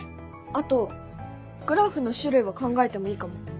あとグラフの種類を考えてもいいかも。